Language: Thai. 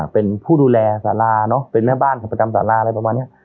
เป็นผู้ดูแลสาลาเนอะเป็นแม่บ้านสรรพกรรมสาลาอะไรประมาณเนี้ย